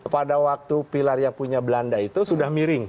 pada waktu pilar yang punya belanda itu sudah miring